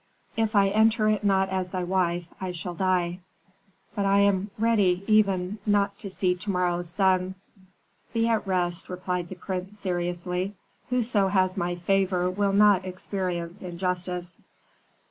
"If I enter it not as thy wife, I shall die. But I am ready even not to see to morrow's sun." "Be at rest," replied the prince, seriously. "Whoso has my favor will not experience injustice."